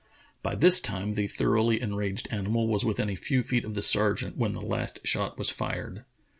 By this time the thoroughly enraged animal was within a few feet of the sergeant when the last shot was fired.